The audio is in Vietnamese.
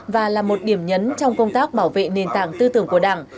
và là một điểm nhấn trong công tác bảo vệ nền tảng tư tưởng của đảng